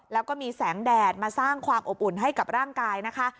แล้วก็มีแสงแดดมาสร้างความอบอุ่นให้กับร่างกายนะคะ